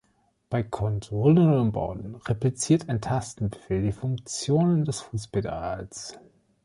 Bei Konsolenumbauten repliziert ein Tastenbefehl die Funktionen des Fußpedals.